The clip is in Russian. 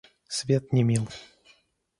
Свет не мил.